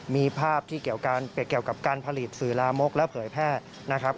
มีภาพที่เกี่ยวกับการผลิตสื่อลามกและเผยแพร่นะครับ